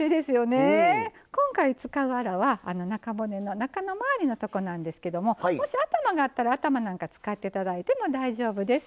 今回使うアラは中骨の中の周りのところなんですけどもし、頭があったら頭なんか使っていただいても大丈夫です。